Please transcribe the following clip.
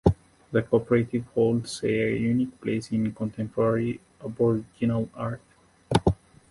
The cooperative holds a unique place in contemporary Aboriginal art.